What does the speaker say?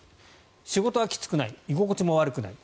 仕事はきつくない居心地も悪くない。